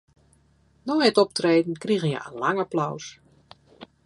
Nei it optreden krigen hja in lang applaus.